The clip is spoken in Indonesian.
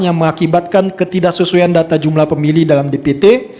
yang mengakibatkan ketidaksesuaian data jumlah pemilih dalam dpt